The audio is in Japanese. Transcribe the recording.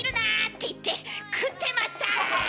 て言って食ってました！